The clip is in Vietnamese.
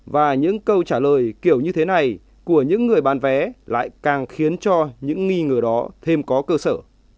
và những câu trả lời kiểu như thế này của những người bán vé lại càng khiến cho những nghi ngờ đó thêm có cơ sở